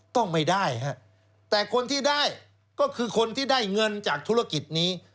ต้องไม่ได้ฮะแต่คนที่ได้ก็คือคนที่ได้เงินจากธุรกิจนี้